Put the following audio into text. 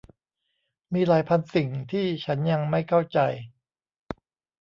มีหลายพันสิ่งที่ฉันยังไม่เข้าใจ